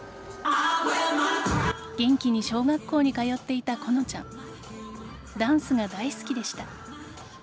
元気に小学校に通っていた好乃ちゃんダンスが大好きでした。